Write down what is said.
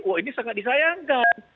wah ini sangat disayangkan